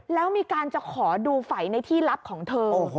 แล้วมีการจะขอดูไฝในที่ลับของเธอ